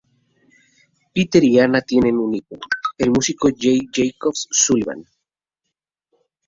Peter y Anna tienen un hijo, el músico Jake "Jacobo" Sullivan.